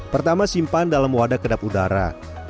pertama simpan dalam wadah kedap udara